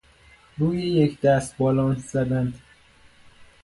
روی یک دست بالانس زدن